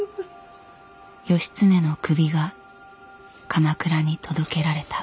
義経の首が鎌倉に届けられた。